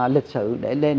lịch sự để lên